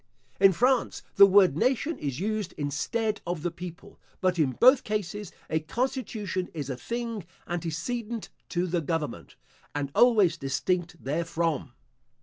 In France, the word nation is used instead of the people; but in both cases, a constitution is a thing antecedent to the government, and always distinct there from.